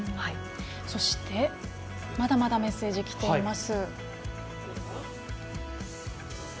そしてまだまだメッセージきています。